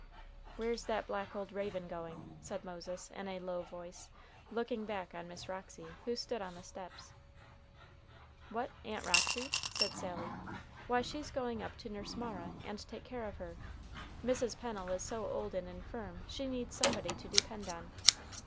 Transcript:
"Where's that black old raven going?" said Moses, in a low voice, looking back on Miss Roxy, who stood on the steps. "What, Aunt Roxy?" said Sally; "why, she's going up to nurse Mara, and take care of her. Mrs. Pennel is so old and infirm she needs somebody to depend on."